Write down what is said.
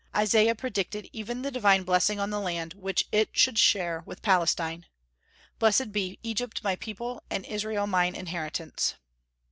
Isaiah predicted even the divine blessing on the land, which it should share with Palestine: "Blessed be Egypt my people, and Israel mine inheritance."